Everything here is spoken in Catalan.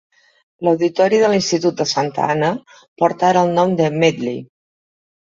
L'auditori de l'institut de Santa Ana porta ara el nom de Medley.